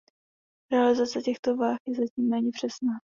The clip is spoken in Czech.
Realizace těchto vah je zatím méně přesná.